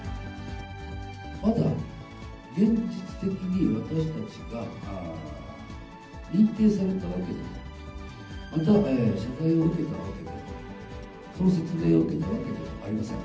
まだ現実的に私たちが認定されたわけでも、また、謝罪を受けたわけでも、その説明を受けたわけでもありません。